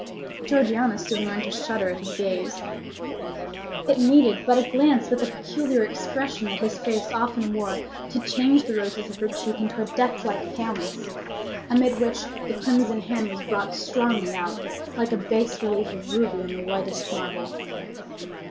Georgiana soon learned to shudder at his gaze. It needed but a glance with the peculiar expression that his face often wore to change the roses of her cheek into a deathlike paleness, amid which the crimson hand was brought strongly out, like a bass relief of ruby on the whitest marble.